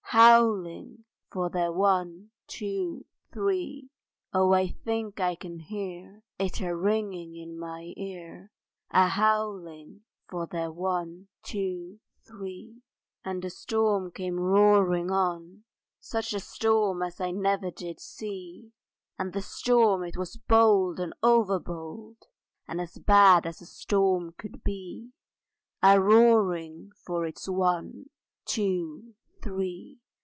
Howling for their One, Two, Three! Oh I think I can hear It a ringing in my ear, A howling for their One, Two, Three! And the storm came roaring on, Such a storm as I never did see, And the storm it was bold and over bold, And as bad as a storm could be; A roaring for its One, Two, Three!